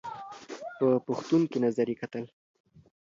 په پوښتونکي نظر یې کتل !